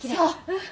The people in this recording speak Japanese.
うん。